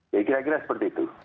ya kira kira seperti itu